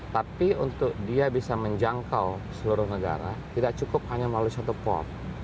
tapi untuk dia bisa menjangkau seluruh negara tidak cukup hanya melalui satu port